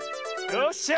よっしゃ！